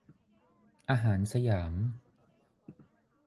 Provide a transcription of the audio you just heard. อาหารสยาม